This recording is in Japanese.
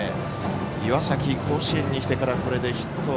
岩崎、甲子園に来てからこれでヒット